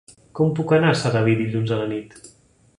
Com puc anar a Sedaví dilluns a la nit?